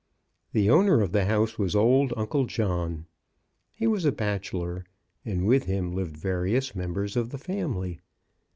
The owner of the house was old Uncle John. He was a bachelor, and with him lived various members of the family.